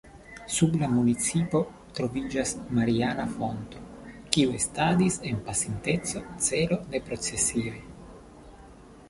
Sub la municipo troviĝas mariana fonto, kiu estadis en pasinteco celo de procesioj.